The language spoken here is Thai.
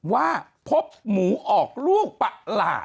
ว่าพบหมูออกลูกประหลาด